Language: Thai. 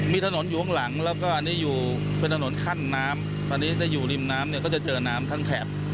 มีถนนอยู่ข้างหลังแล้วก็อันนี้อยู่เป็นถนนขั้นน้ำตอนนี้ถ้าอยู่ริมน้ำเนี่ยก็จะเจอน้ำทั้งแถบ